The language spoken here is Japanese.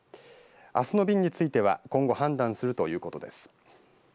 あすの便については今後判断するということです。